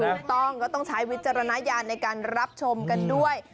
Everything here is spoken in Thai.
ถูกต้องก็ต้องใช้วิจารณญาณในการรับชมกันด้วย